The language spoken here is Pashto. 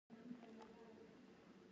• د ورځې د لمر وړانګې د خوښۍ زیری ورکوي.